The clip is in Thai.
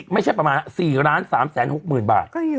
ไม่ใช่ประมาณ๔๓๖๐๐๐บาท